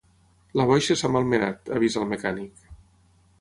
La boixa s'ha malmenat, avisa al mecànic